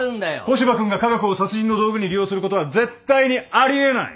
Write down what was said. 古芝君が科学を殺人の道具に利用することは絶対にあり得ない！